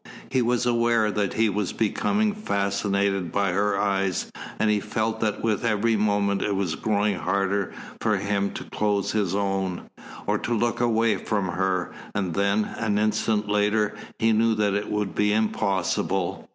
He was aware that he was becoming fascinated by her eyes, and he felt that with every moment it was growing harder for him to close his own, or to look away from her, and then, an instant later, he knew that it would be impossible.